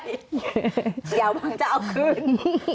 เดี๋ยวหวังจะเอาคืน